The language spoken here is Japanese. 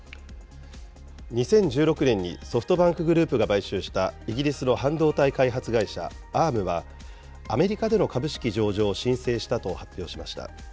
２０１６年にソフトバンググループが買収したイギリスの半導体開発会社、Ａｒｍは、アメリカでの株式上場を申請したと発表しました。